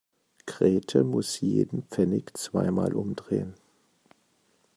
Grete muss jeden Pfennig zweimal umdrehen.